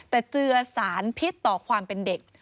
แต่เจือสารพิษต่อความเป็นเด็ก